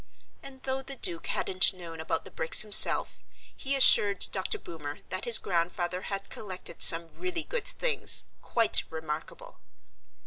And though the Duke hadn't known about the bricks himself, he assured Dr. Boomer that his grandfather had collected some really good things, quite remarkable.